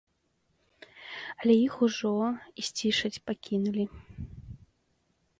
Але іх ужо і сцішаць пакінулі.